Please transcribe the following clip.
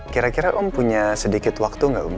kira kira om punya sedikit waktu nggak om